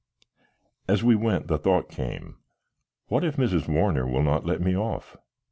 As we went the thought came, "What if Mrs. Warner will not let me off!"